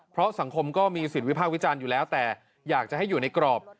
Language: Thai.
เพราะสังคมก็มีสิทธิ์วิภาควิจารณ์อยู่แล้วแต่อยากจะให้อยู่ในกรอบ